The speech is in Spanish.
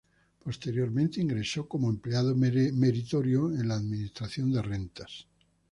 Posteriormente ingresó como empleado meritorio en la Administración de Rentas.